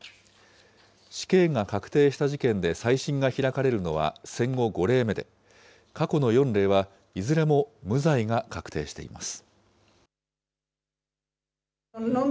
死刑が確定した事件で再審が開かれるのは戦後５例目で、過去の４例は、いずれも無罪が確定しています。